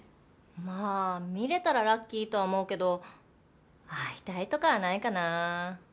まぁ見れたらラッキーとは思うけど会いたいとかはないかな